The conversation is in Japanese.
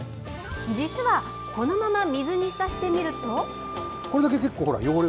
実はこのまま水に浸してみると。